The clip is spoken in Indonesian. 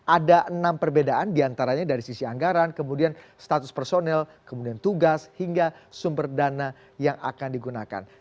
ada enam perbedaan diantaranya dari sisi anggaran kemudian status personel kemudian tugas hingga sumber dana yang akan digunakan